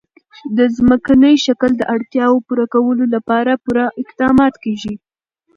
د ځمکني شکل د اړتیاوو پوره کولو لپاره پوره اقدامات کېږي.